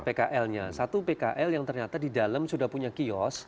pkl nya satu pkl yang ternyata di dalam sudah punya kios